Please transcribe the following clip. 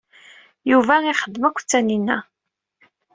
Yuba ixeddem akked Tanina.